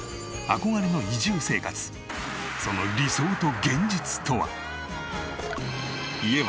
その理想と現実とは？